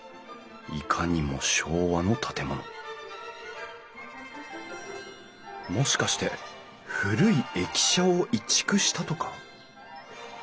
いかにも昭和の建物もしかして古い駅舎を移築したとか？